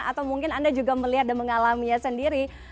atau mungkin anda juga melihat dan mengalaminya sendiri